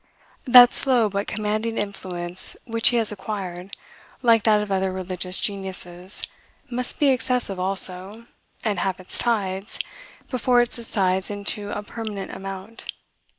That slow but commanding influence which he has acquired, like that of other religious geniuses, must be excessive also, and have its tides, before it subsides into a permanent amount.